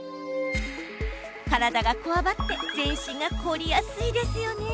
体がこわばって、全身が凝りやすいですよね。